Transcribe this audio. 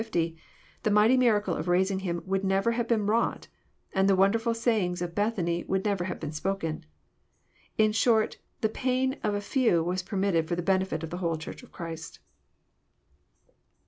60, the mighty miracle of raising ^IHr would never have been wrought, and the wonderful sayings' of Bethany would never have been spoken. In short the pain of a few was permitted for the beneUt of the whole Church of Christ.